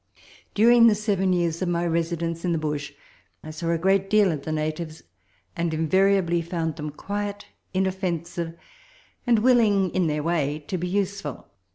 During the seven years of my residence in the bush I saw a great deal of the natives, and invariably found them quiet, inoffen sive, and willing, in their way, to be useful.